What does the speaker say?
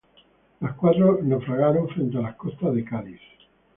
Las cuatro naufragaron frente a las costas de Cádiz.